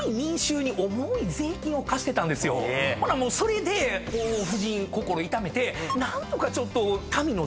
ほなもうそれで夫人心痛めて何とかちょっと。